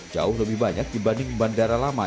jauh lebih banyak dibanding bandara baru ahmad yani semarang